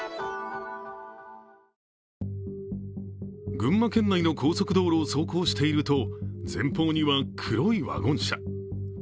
群馬県内の高速道路を走行していると前方には黒いワゴン車。